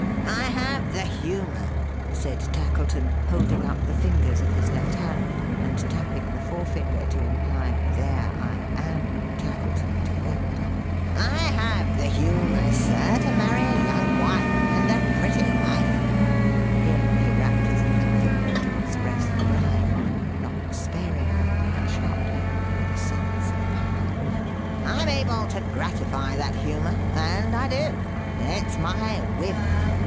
"I have the humour," said Tackleton: holding up the fingers of his left hand, and tapping the forefinger, to imply 'there I am, Tackleton to wit:' "I have the humour, Sir, to marry a young wife and a pretty wife:" here he rapped his little finger, to express the Bride; not sparingly, but sharply; with a sense of power. "I'm able to gratify that humour and I do. It's my whim.